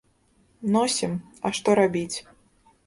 Носім, а што рабіць.